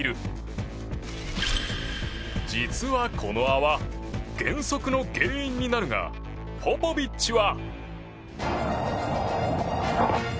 実はこの泡減速の原因になるがポポビッチは。